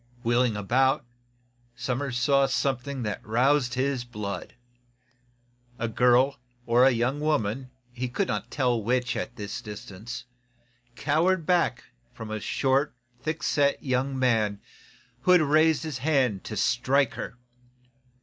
Wheeling about, Somers saw something that aroused his blood. A girl, or young woman, he could not tell which, at the distance, cowered back from a short, thick set young man who had raised his hand to strike her.